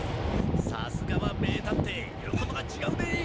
さすがは名探偵言うことが違うねぇ。